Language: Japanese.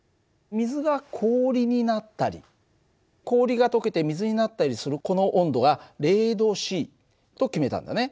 水が氷になったり氷がとけて水になったりするこの温度が０℃と決めたんだね。